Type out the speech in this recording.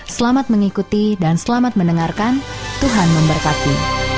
selamat mengikuti dan selamat mendengarkan tuhan memberkati